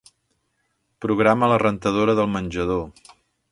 Programa la rentadora del menjador.